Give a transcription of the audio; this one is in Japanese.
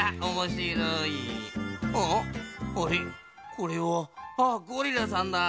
これはあっゴリラさんだ。